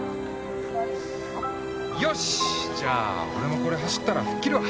よしじゃあ俺もこれ走ったら吹っ切るわ。